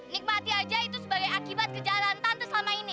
nikmati aja itu sebagai akibat kejahatan tuh selama ini